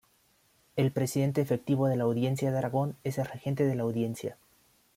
El presidente efectivo de la Audiencia de Aragón es el regente de la Audiencia.